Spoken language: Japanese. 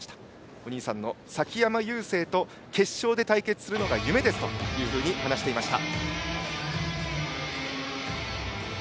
お兄さんの崎山優成と決勝で対決するのが夢ですと話していました。